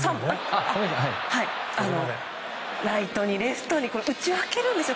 ライトに、レフトに打ち分けるんですよ。